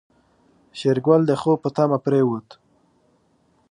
شېرګل د خوب په تمه پرېوت.